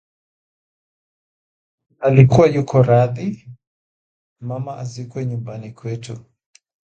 Alikuwa yuko radhi mama azikwe nyumbani kwetu